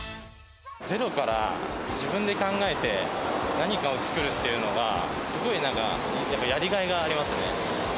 ゼロから自分で考えて、何かを作るっていうのが、すごいなんか、やりがいがありますね。